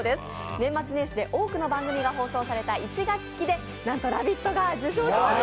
年末年始で多くの番組が放送された１月期でなんと「ラヴィット！」が受賞しました！